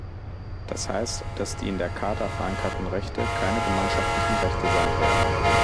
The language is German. Das heißt, dass die in der Charta verankerten Rechte keine gemeinschaftlichen Rechte sein werden.